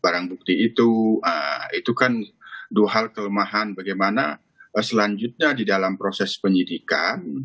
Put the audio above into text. barang bukti itu itu kan dua hal kelemahan bagaimana selanjutnya di dalam proses penyidikan